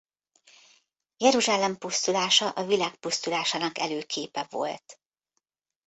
Jeruzsálem pusztulása a világ pusztulásának előképe volt.